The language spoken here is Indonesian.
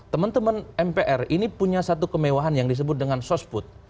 teman teman mpr ini punya satu kemewahan yang disebut dengan sosput